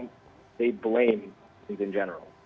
mereka menyalahkan orang orang secara umum